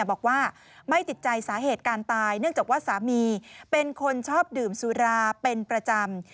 บอกว่าไม่ติดใจสาเหตุการตายเนื่องจากว่าสามีเป็นคนชอบดื่มสุราเป็นประจำ